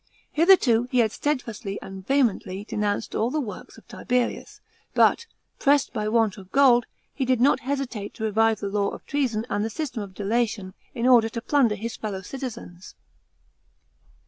Hitherto, he had steadfastly and vehemently denounced all the works of Tiberius, but, pressed by want of gold, he did not hesitate to revive the law of treason and the .system of delation, in order to plunder his fellow citizens.